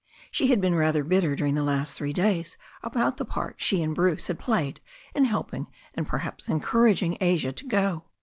She had been rather bitter dur ing the last three days about the part she and Bruce had played in helping and perhaps encouraging Asia to go.